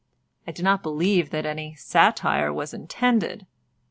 I do not believe that any satire was intended.